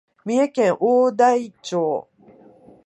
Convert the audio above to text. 三重県大台町